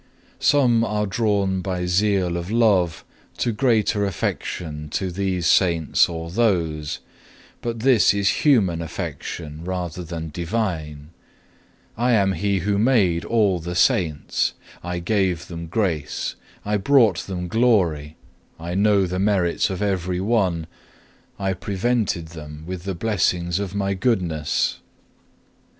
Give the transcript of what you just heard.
3. "Some are drawn by zeal of love to greater affection to these Saints or those; but this is human affection rather than divine. I am He Who made all the Saints: I gave them grace, I brought them glory; I know the merits of every one; I prevented them with the blessings of My goodness.